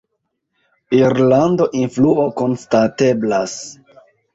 Irlanda influo konstateblas.